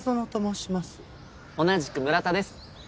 同じく村田です。